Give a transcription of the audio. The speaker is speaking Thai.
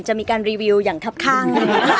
จะมีการรีวิวอย่างครับข้าง